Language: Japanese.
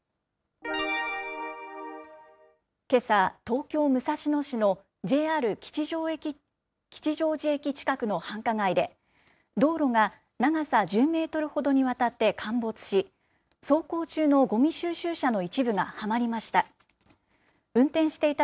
けさ、東京・武蔵野市のＪＲ吉祥寺駅近くの繁華街で、道路が長さ１０メートルほどにわたって陥没し、走行中のごみ収集車の一部がはまりました。